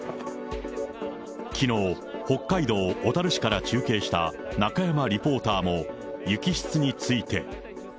きのう、北海道小樽市から中継した中山リポーターも、雪質について。